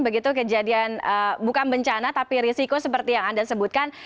begitu kejadian bukan bencana tapi risiko seperti yang anda sebutkan